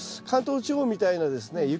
関東地方みたいなですね